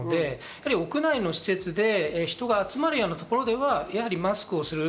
屋内の施設で人が集まるようなところではやはりマスクをする。